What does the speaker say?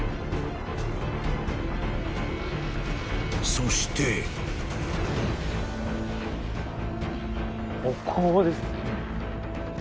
［そして］ここです。